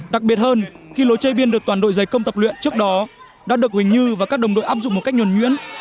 đặc biệt hơn khi lối chơi biên được toàn đội giày công tập luyện trước đó đã được huỳnh như và các đồng đội áp dụng một cách nhuẩn nhuyễn